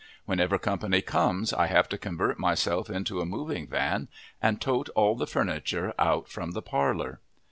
Whenever company comes I have to convert myself into a moving van and tote all the furniture out from the parlor.